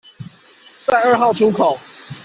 在二號出口